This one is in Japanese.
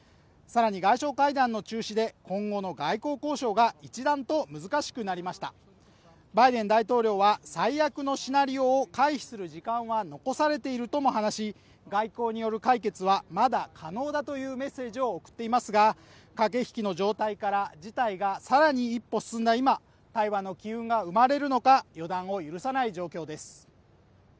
さらに外相会談の中止で今後の外交交渉が一段と難しくなりましたバイデン大統領は最悪のシナリオを回避する時間は残されているとも話し外交による解決はまだ可能だというメッセージを送っていますが駆け引きの状態から事態がさらに一歩進んだ今対話の機運が生まれるのか予断を許さない状況です